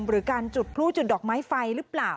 หรือการจุดพลุจุดดอกไม้ไฟหรือเปล่า